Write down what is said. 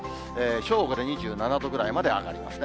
正午で２７度ぐらいまで上がりますね。